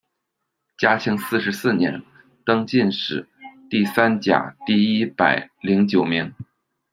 嘉靖四十四年，登进士第三甲第一百零九名。